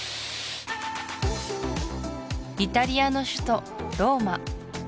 イタリアの首都ローマ